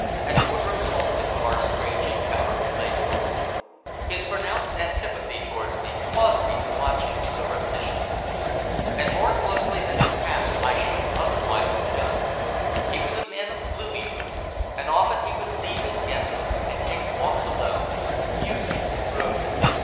Had Woodroffe told him of our strange encounter in Leghorn? His pronounced antipathy towards me caused me to watch him surreptitiously, and more closely than perhaps I should otherwise have done. He was a man of gloomy mood, and often he would leave his guests and take walks alone, musing and brooding.